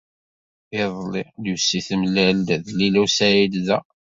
Iḍelli, Lucie temlal-d Lila u Saɛid da.